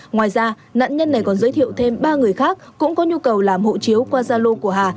ngoài ra nạn nhân này còn giới thiệu thêm ba người khác cũng có nhu cầu làm hộ chiếu qua gia lô của hà